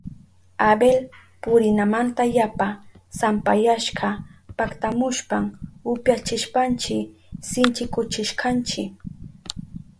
Abel purinamanta yapa sampayashka paktamushpan upyachishpanchi sinchikuchishkanchi.